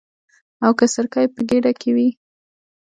او که سرکه یې په ګېډه کې وي.